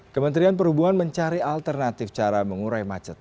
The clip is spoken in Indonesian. kementerian perhubungan mencari alternatif cara mengurai macet